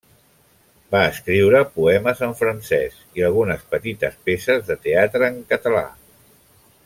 Va escriure poemes en francès i algunes petites peces de teatre en català.